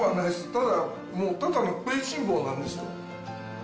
ただもう、ただの食いしん坊なんですよ。